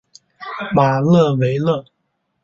马勒维勒。